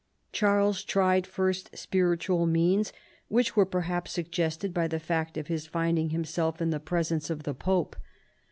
Charles tried first spiritual means, Avhich were perhaps suggested by the fact of his finding himself in the presence of the pope.